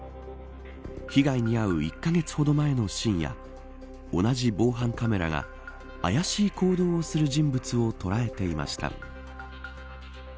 被害に遭う１カ月ほど前の深夜同じ防犯カメラが怪しい行動をする人物を捉えていました。